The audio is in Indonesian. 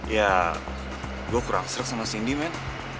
ya gue kurang stret sama cindy men